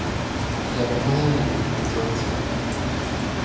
Yɛli ŋmahinli n-diri tim.